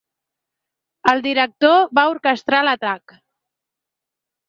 El director va orquestrar l’atac.